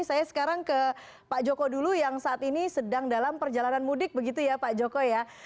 saya sekarang ke pak joko dulu yang saat ini sedang dalam perjalanan mudik begitu ya pak joko ya